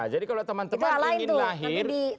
jadi kalau teman teman ingin lahir